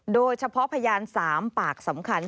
โดยเฉพาะพยาน๓ปากสำคัญ